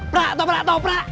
prak atau prak